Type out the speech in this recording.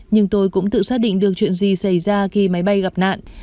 nhưng tôi cũng tự xác định được chuyện gì xảy ra khi máy bay gặp nạn